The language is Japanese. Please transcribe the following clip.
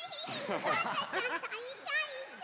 わんだちゃんといっしょいっしょ！